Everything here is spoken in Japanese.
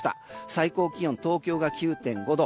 最高気温、東京が９．５度。